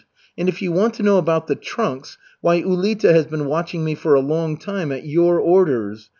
And if you want to know about the trunks, why, Ulita has been watching me for a long time at your orders.